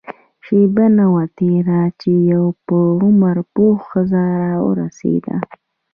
شېبه نه وه تېره چې يوه په عمر پخه ښځه راورسېده.